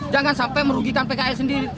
jangan sampai merugikan pks sendiri